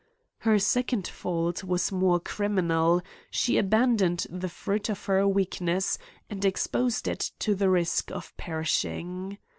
Her second fault was more criminal ; she aban doned the fruit of her weakness, and exposed it to the risk of perishing.